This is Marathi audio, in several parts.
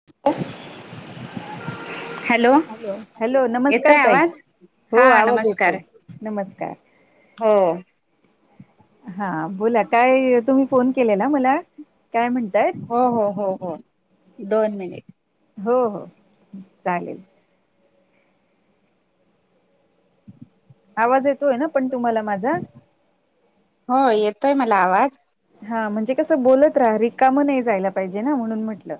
[inaudible] हॅलो हॅलो येतोय नमस्कार ताई आवाज हो हा आवाज येतोय नमस्कार. नमस्कार हो. हा बोला काय तुम्ही फोन केले ना मला काय म्हणताय? हो हो हो हो दोन मिनिटं. हो हो चालेल. आवाज येतोय ना पण तुम्हाला माझा. हो येतोय मला आवाज. हा म्हणजे कसं बोलत राहा, रिकाम नाही जायला पाहिजे ना म्हणून म्हटलं.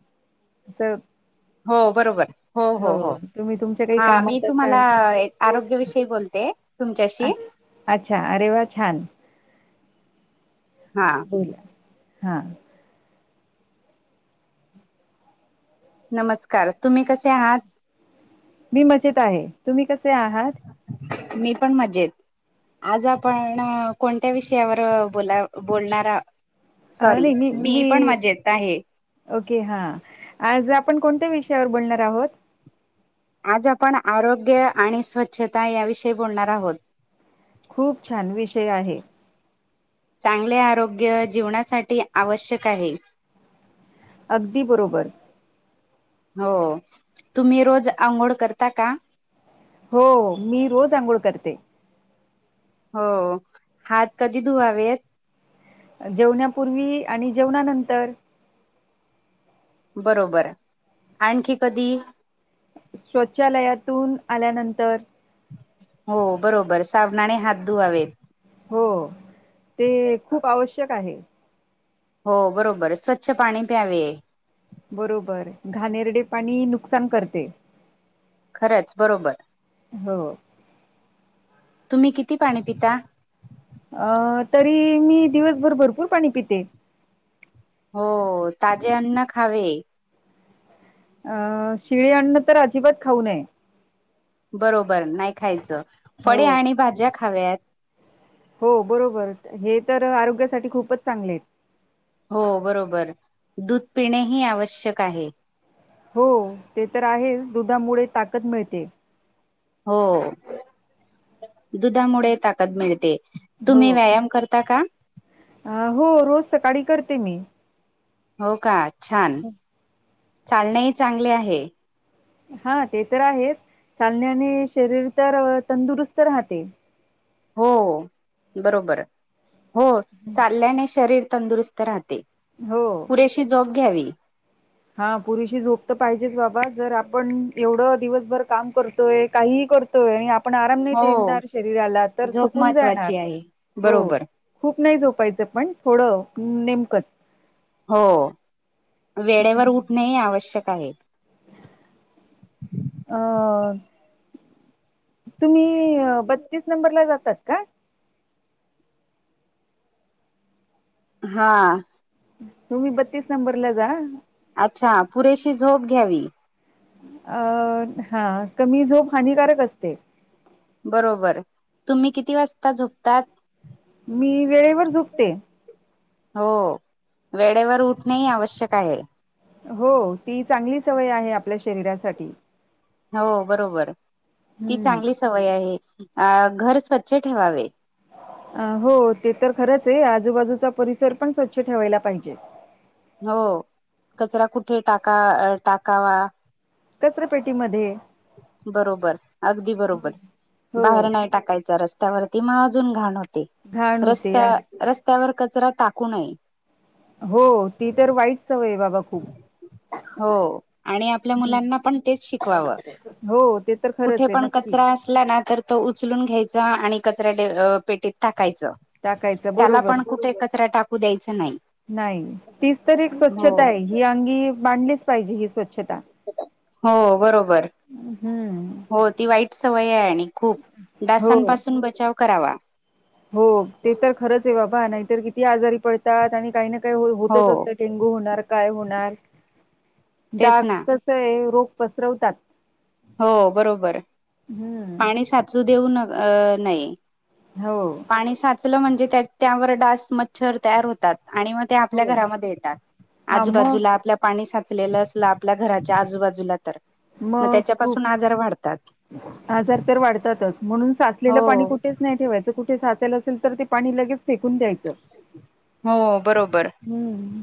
[inaudible] हो बरोबर हो हो हो. तुम्ही तुमच्या कडे हा मी तुम्हाला आरोग्याविषयी एक बोलते तुमच्याशी. अच्छा अच्छा, अरे वा छान. हा. बोला हा. नमस्कार, तुम्ही कसे आहात? मी मजेत आहे, तुम्ही कसे आहात? मी पण मजेत. आज आपण कोणत्या विषयावर बोला बोलणारा? सॉरी, मी पण मजेत आहे. ओके हा‌‌. आज आपण कोणत्या विषयावर बोलणार आहोत? आज आपण आरोग्य आणि स्वच्छता याविषयी बोलणार आहोत. खूप छान विषय आहे. चांगले आरोग्य जीवनासाठी आवश्यक आहे. अगदी बरोबर. हो, तुम्ही रोज आंघोळ करता का? हो‌. मी रोज आंघोळ करते. हो. हात कधी धुवावेत? जेवनापुर्वी आणि जेवनानंतर. बरोबर. आणखी कधी? शौचालयातून आल्यानंतर. हो बरोबर. साबनाने हात धुवावेत. हो‌. ते खूप आवश्यक आहे. हो बरोबर‌. स्वच्छ पाणी प्यावे. बरोबर‌. घानेरडे पाणी नुकसान करते. खरंच बरोबर. हो. तुम्ही किती पाणी पिता? अ तरी मी दिवसभर भरपूर पाणी पिते. हो‌. ताजे अन्न खावे. अ शिळी अन्न तर अजिबात खाऊ नये. बरोबर नाही खायचं. फळे हो, आणि भाज्या खाव्यात. हो बरोबर. हे तर आरोग्यासाठी खूपच चांगले आहे. हो बरोबर. दूध पिणे हि आवश्यक आहे. हो ते तर आहेच. दुधामुळे ताकद मिळते. हो. दुधामुळे ताकद मिळते. तुम्ही हो. व्यायाम करता का? अ हो रोज सकाळी करते मी. हो का? छान! चालणेही चांगले आहे. हा ते तर आहेच, चालण्याने शरीर तर तंदुरुस्त राहते. हो बरोबर. हो चालल्याने शरीर तंदुरुस्त राह ते. हो. पुरेशी जोप घ्यावी. हा, पुरेशी झोप तर पाहिजेच बाबा, जर आपण एवढं दिवसभर काम करतोय. काहीही करतो य आणि आपण आराम नाही हो देणार शरीराला तर झोप थकून जाणार, महत्त्वाची आहे हो. बरोबर खूप नाही झोपायचं पण, थोडं नेमकंच. हो. वेळेवर हं. उठणेही आवश्यक आहे. अ, तुम्ही बत्तीस नंबरला जातात का? हा. तुम्ही बत्तीस नंबरला जा. अच्छा! पुरेशी झोप घ्यावी. अ हा कमी झोप हानिकारक असते. बरोबर. तुम्ही किती वाजता झोपतात? मी वेळेवर झोपते हो. वेळेवर उठणेही आवश्यक आहे. हो ती चांगली सवय आहे आपल्या शरीरासाठी. हो बरोबर ती हम्म. चांगली सवय आहे अं घर स्वच्छ ठेवावे. अ हो ते तर खरंच आहे आजूबाजूचा परिसर पण स्वच्छ ठेवायला पाहिजे. हो कचरा कुठे टाका टाकावा. कचरापेटी मध्ये. बरोबर अगदी बरोबर हो, बाहेर नाही टाकायचा रस्त त्यावरती मग अजून घाण होते घाण होते. रस्त्य आ रस्त्यावर कचरा टाकू नये. हो ती तर वाईट सवय आहे बाबा खूप. हों आणि आपल्या हम्म. मुलांना पण तेच शिकवावं हो ते तर कुठे खरंच आहे पण नक्की कचरा अस ला ना तर तो उचलून घ्यायचा आणि कचऱ्या डे अ पेटीत टाकायचं. टाकायचं त्याला बरोबर. पण कुठे कचरा टाकू द्यायचा नायी. नायी तीच तर एक स्वच्छतायं ही अंगी मांडलीच पाहिजे ही स्वच्छता. हों बरोबर. हम्म हों ती सवययं आणि खूप हो. डासांपासून बचाव करावा. हो ते तर खरंचयं बाबा नाहीतर किती आजारी पडतात आणि काही ना काय होतच हो असते डेंगू होणार काय होणार तेच डासच ना कसंय रोग पसरवतात. हों बरोबर हं. पाणी साचू देऊ न नये. हों. पाणी साचलं म्हणजे त्या त्यावंर डास मच्छर तयार होतात आणि मग ते आपल्या हो. घरामध्ये येतात हां, मग आजूबाजूला आपल्या पाणी साचलेलं असलं आपल्या घराच्या आजूबाजूला तर. मग. तेच्या खूप पाासून आजार वाढतात. आजार तर वाढतातच म्हणून साचलेलं हो पाणी कुठेचं नाय ठेवायचं. तर कुठे साचेअल असेल तर ते पाणी लगेच फेकून द्यायचं. हों बरोबर. हुं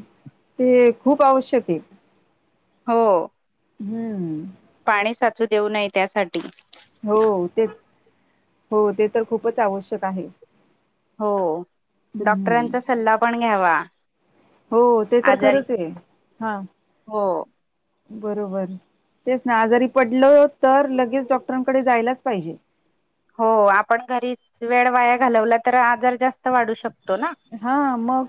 ते खूप आवश्यकयं. हों. हुं. पाणी साचू देऊ नये त्यासाठी. हों ते हों ते तर खूपच आवश्यक आहे. हों हं. डॉक्टरांचा सल्ला पण घ्यावा. हों ते तर आजारी खरंचयं हां हो बरोबर तेच नां आजारी पडलं तर लगेच डॉक्टरांकडे जायलाच पाहिजे. हों आपण घरीच वेळ वाया घालवला तर आजार जास्त वाढू शकतो नां हां मग.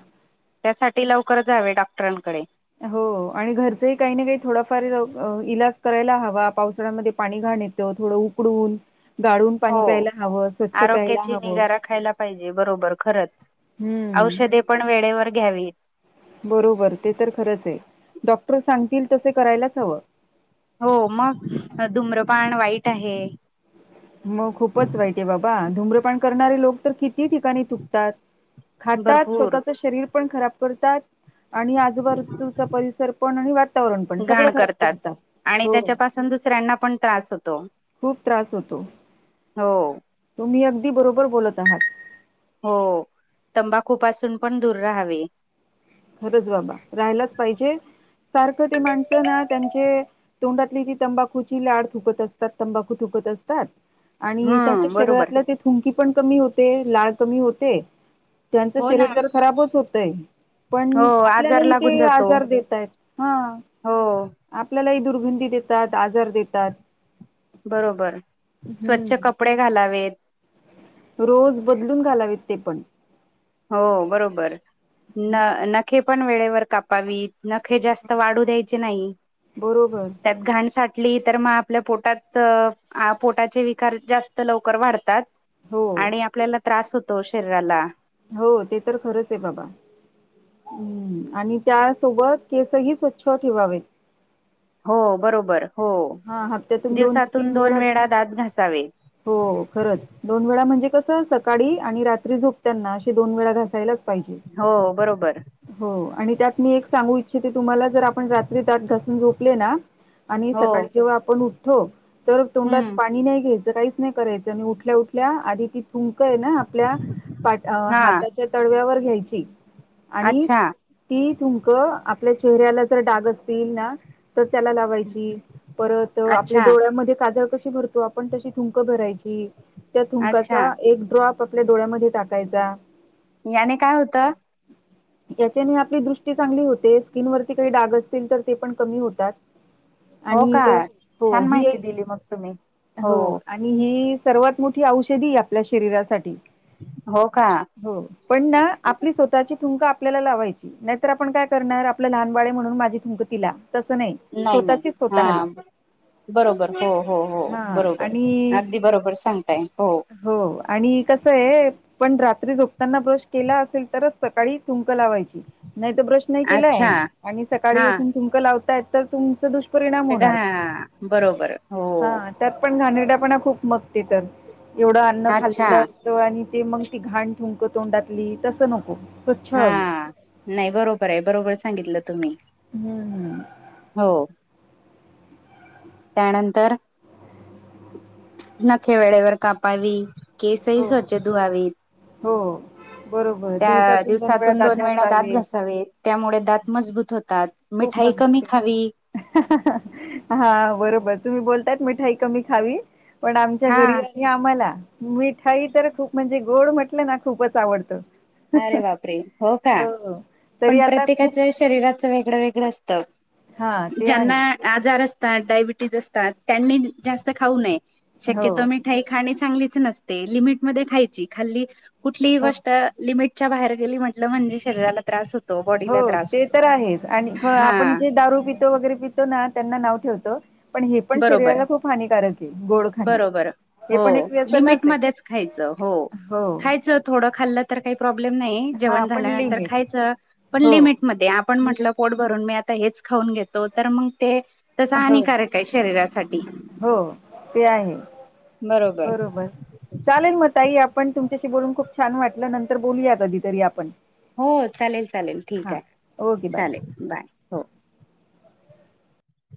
त्यासाठी लवकरच जावे डॉक्टरांकडे. हों आणि घरचंही काही नां काही थोडाफार अं व इलाज करायला हवा पावसाळ्यामध्ये घाण येत् तेव्हा थोडं उकडून गाळून पाणी हो प्यायला हवं स्वच्छ प्यायला आरोग्याची हवं. निगा राखायला पाहिजे बरोबर खरंच हुं. औषधे पण वेळेवर घ्यावी बरोबर ते तर खरंच आहे. डॉक्टर सांगतील तसे करायलाच हवं. हो. मग धुम्रपान वाईट आहे. मग खूपच वाईट आहे. बाबा, धूम्रपान करणारे लोक तर किती ठिकाणी थूकतात. खातात. भरपूर स्वतःच शरीर पण खराब करतात. आणि आजूबाजू चा परिसर पण आणि वातावरण पण सगळं खराब करतात. आणि हो त्याच्यापासून दुसऱ्यांना पण त्रास होतो. हो. हो. तुम्ही अगदी बरोबर बोलत आहात. हो. तंबाखूपासून पण दूर राहावे. खरंच बाबा राहिलाच पाहिजे, सारखं ते माणसं ना त्यांचे तोंडातली जी तंबाखूची लाळ थुकत असतात. तंबाखू थुकत असतात. आणि त्यांच्या हम्म बरोबर शरीरातलं ति थुंकी पण कमी होते. लाळ कमी होते त्यांचं हो ना शरीर तर खराबच होतय. पण हो आजार आपल्यालाही लागून ते जातो आजार देत आहेत हा. हो. आपल्यालाही दुर्गंधी देतात. आजार देतात. बरोबर, स्वच्छ हम्म. कपडे घालावेत. रोज बदलून घालावेत ते पण. हो. बरोबर, न हम्म. नखे पण वेळेवर कापावीत. नखे जास्त वाढू द्यायचे नाही. बरोबर. त्यात घाण साठली तर मग आपल्या पोटात पोटाचे विकार जास्त लवकर वाढतात. हो, आणि आपल्याला त्रास होतो शरीराला. हो. ते तर खरंच आहे बाबा आणि त्यासोबत केसही स्वच्छ ठेवावेत. हो बरोबर, हो हा हप्त्यातून दिवसातून दोन वेळा दात घासावे. हो, खरंच. दोन वेळा म्हणजे कसं, सकाळी आणि रात्री झोपताना असे दोन वेळा घासायलाच पाहिजे. हो बरोबर. हो आणि त्यात मी एक सांगू इच्छिते तुम्हाला जर आपण रात्री दात घासून झोपले ना आणि हो सकाळी जेव्हा आपण उठतो, तर तोंडात हम्म पाणी नाही घ्यायचं. काहीच नाही करायच. आणि उठल्या उठल्या आधी ती थुंक आहे ना आपल्या हा हात ती तळव्यावर घ्यायची. आणि अच्छा ती थुंक आपल्या चेहऱ्याला जर डाग असतील ना तर त्याला लावायची परत आपल्या अच्छा डोळ्यामध्ये काजळ कशी भर तो आपण तशी थुंक भरायची त्या अच्छा थुंकाचा एक ड्रॉप आपल्या डोळ्यामध्ये टाकायचा. याने काय होतं? याच्याने आपली दृष्टी चांगली स्किनवरती काही डाग असतील तर ते पण कमी होतात. हो आणि का एक हो छान हि माहिती एक दिली मग तुम्ही हो. आणि ही सर्वात मोठी औषधी आपल्या शरीरासाठी. हो का? हो. पण ना आपली स्वतः स्वतःची थुंक आपल्याला लावायची नाहीतर आपण काय करणार आपल्या लहान बाळ आहे म्हणून माझी थुक तिला तसं नाही. स्वतः नाही ची स्वतः हाला. हा बरोबर, हो.. - हो.. - हो.. बरोबर, आणि अगदी बरोबर, सांगताय हो. हो आणि कसंय. आपण रात्री झोपताना ब्रश केला असेल, तरच सकाळी थुंक लावायची. नाहीतर ब्रश नाही अच्छा केलाय आणि सकाळी हा उठून थुंक लावताय, तर तुमचं दुष्प ते का हा. बरोबर. हो. हां, त्यात पण घाणेरड्यापणा खूप मग ते तर. एवढं अन्न अच्छा खाल्लेलं न तो आणि ते मग ती घाण थुंक तोंडातली. तसं नको. स्वच्छ हा हवी. नाही, बरोबरय. बरोबर सांगितलं तुम्ही. हम्म. हो. त्यानंतर नखे वेळेवर कापावी. केसही हो, स्वच्छ धुहावी. हो. त्या दिवसातून दोन वेळा दात घासावेत. त्यामुळे दात मजबूत होतात. खूप मिठाई कमी मजबूतय. खावी हा बरोबर. तुम्ही बोलतायत, मिठाई कमी खावी. पण आमच्या हा घरी आणि आम्हाला. मिठाई तर खूप म्हणजे गोड म्हटलं ना, खूपच आवडतं. अरे, बापरे! हो, का? हो, तरी पण आता खूप प्रत्येकाच्या श शरीराच वेगळं- वेगळं असतं. हां, ते ज्यांना आहे. आजार असतात. डायबिटीज असतात. त्यांनी जास्त खाऊ नये. हो, शक्यतो मी ठाई खाने चांगलीच नसते. लिमिटमध्ये खायची. खाल्ली, कुठलीही हो. गोष्ट लिमिटच्या बाहेर गेली म्हटलं, म्हणजे शरीराला त्रास होत हो. ते तर आहेच आणि आपण हा जे दारू पितो. वगैरे पितो ना, त्यांना नाव ठेवतो पण हे पण बरोबर शरीराला खूप हानिकारकय. गोड खाणं. बरोबर हे पण हो एक व्यसनचय. लिमिटमध्येच खायचं. हो. खायचं, थोडं खाल्लं तर काही प्रॉब्लेम नाही. हा जेवण पण झाल्यानंतर लिमिट खायच. पण हो लिमिटमधे. आपण ले म्हटलं, पोट भरून मी आता, हेच खाऊन घेत तो. तर मग ते, तसं हो हानिकारकय, शरीरासाठी. हो. ते आहे. बरोबर. चालेल मग ताई. आपण, तुमच्याशी बोलून खूप छान वाटलं. नंतर बोलूया कधीतरी आपण. हो. चालेल, चालेल. हां ठीकाय. ओके बाय चालेल, बाय. हो.